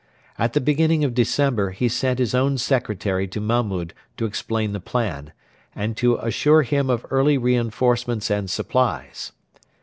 At the beginning of December he sent his own secretary to Mahmud to explain the plan, and to assure him of early reinforcements and supplies.